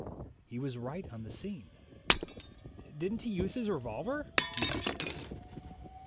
He was right on the scene. "Didn't he use his revolver?" you persist.